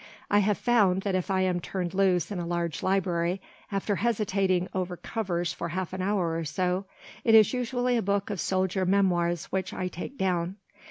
I have found that if I am turned loose in a large library, after hesitating over covers for half an hour or so, it is usually a book of soldier memoirs which I take down.